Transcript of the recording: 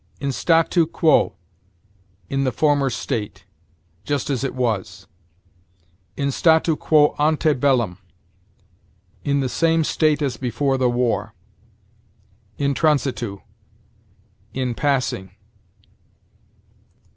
In statu quo: in the former state; just as it was. In statu quo ante bellum: in the same state as before the war. In transitu: in passing.